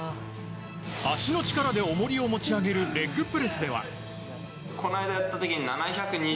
足の力でおもりを持ち上げるレッグプレスでは。